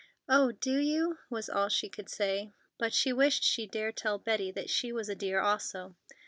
"Oh, do you?" was all she could say, but she wished she dared tell Betty that she was a dear also.